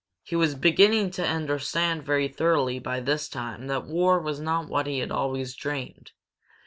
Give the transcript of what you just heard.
He was beginning to understand very thoroughly by this time that war was not what he had always dreamed.